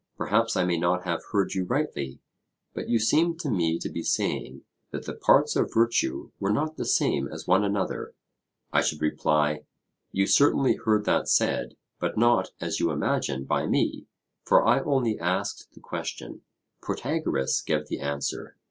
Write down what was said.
Perhaps I may not have heard you rightly, but you seemed to me to be saying that the parts of virtue were not the same as one another.' I should reply, 'You certainly heard that said, but not, as you imagine, by me; for I only asked the question; Protagoras gave the answer.'